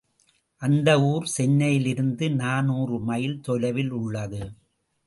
அந்த ஊர் சென்னையிலிருந்து நாநூறு மைல் தொலைவிலுள்ளது.